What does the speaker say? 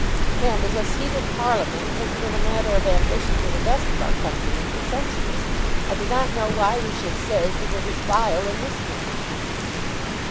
And as a seat in Parliament has been a matter of ambition to the best of our countrymen for centuries, I do not know why we should say that it is vile in this man."